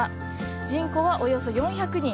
人口はおよそ４００人。